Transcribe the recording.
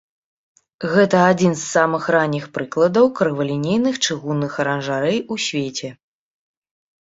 Гэта адзін з самых ранніх прыкладаў крывалінейных чыгунных аранжарэй у свеце.